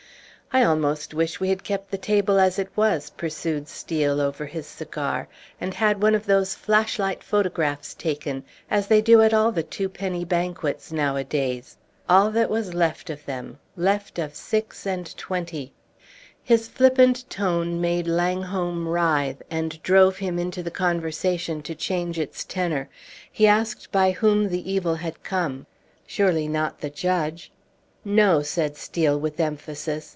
"I almost wish we had kept the table as it was," pursued Steel over his cigar, "and had one of those flash light photographs taken, as they do at all the twopenny banquets nowadays. All that was left of them left of six and twenty!" His flippant tone made Langholm writhe, and drove him into the conversation to change its tenor. He asked by whom the evil had come. "Surely not the judge?" "No," said Steel, with emphasis.